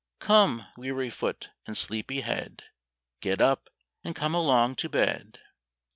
Come, weary foot, and sleepy head, Get up, and come along to bed."